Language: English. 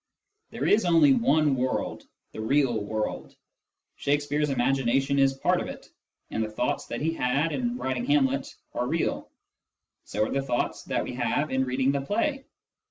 There is only one world, the " real " world : Shakespeare's imagination is part of it, and the thoughts that he had in writing Hamlet are real. So are the thoughts that we have in reading the play.